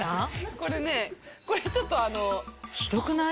これねこれちょっとあのひどくない？